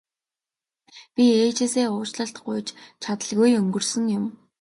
Би ээжээсээ уучлалт гуйж чадалгүй өнгөрсөн юм.